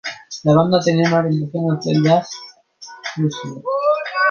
La banda tenía una orientación hacia el Jazz fusión.